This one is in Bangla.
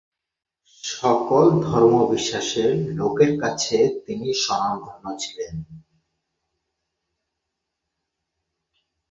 সকল ধর্ম বিশ্বাসের লোকের কাছে তিনি স্বনামধন্য ছিলেন।